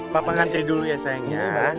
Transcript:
papa ngantri dulu ya sayangnya